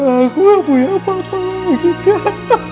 kak aku gak punya apa apa lagi kak